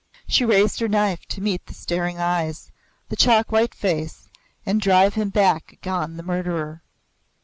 She raised her knife to meet the staring eyes, the chalk white face, and drive him back on the murderer.